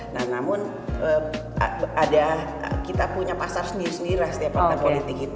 nah namun ada kita punya pasar sendiri sendiri lah setiap pertempuran kita